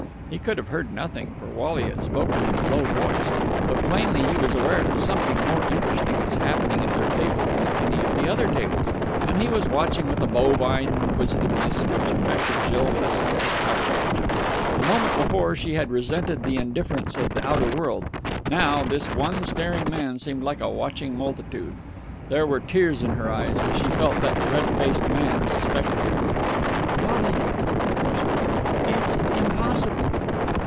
He could have heard nothing, for Wally had spoken in a low voice; but plainly he was aware that something more interesting was happening at their table than at any of the other tables, and he was watching with a bovine inquisitiveness which affected Jill with a sense of outrage. A moment before, she had resented the indifference of the outer world. Now, this one staring man seemed like a watching multitude. There were tears in her eyes, and she felt that the red faced man suspected it. "Wally...." Her voice broke. "It's impossible."